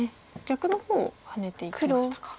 逆の方をハネていきましたか。